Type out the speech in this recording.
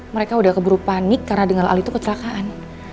mereka udah keburu panik karena dengan al itu kecelakaan